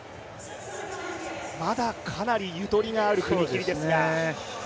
まだかなりゆとりがある踏み切りですが。